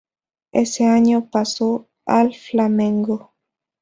Ese año pasó al Flamengo.